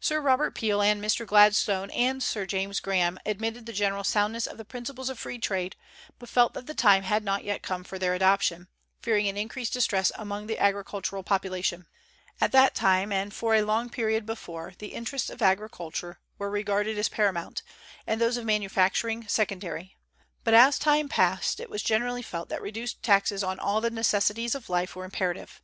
Sir Robert Peel and Mr. Gladstone and Sir James Graham admitted the general soundness of the principles of free trade, but felt that the time had not yet come for their adoption, fearing an increased distress among the agricultural population. At that time, and for a long period before, the interests of agriculture were regarded as paramount, and those of manufacturing secondary; but, as time passed, it was generally felt that reduced taxes on all the necessities of life were imperative.